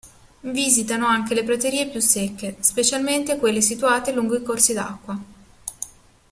Visitano anche le praterie più secche, specialmente quelle situate lungo i corsi d'acqua.